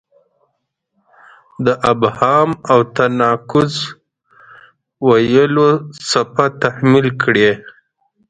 د ابهام او تناقض ویلو څپه تحمیل کړې.